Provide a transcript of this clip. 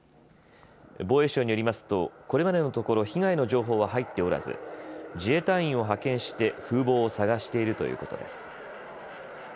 防衛省によりますとこれまでのところ被害の情報は入っておらず自衛隊員を派遣して風防を捜しているということです。